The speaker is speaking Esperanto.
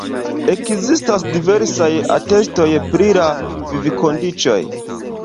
Ekzistas diversaj atestoj pri la vivkondiĉoj.